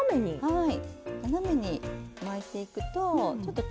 はい。